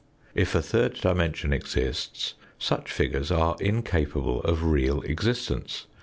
If a third dimension exists, such figures are incapable of real existence.